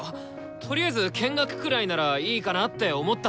とりあえず見学くらいならいいかなって思っただけで。